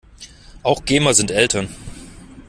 Auch Gamer sind Eltern.